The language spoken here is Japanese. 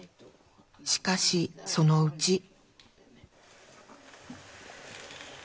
しかし、そのうち。